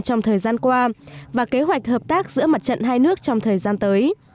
trong thời gian qua và kế hoạch hợp tác giữa mặt trận hai nước trong thời gian tới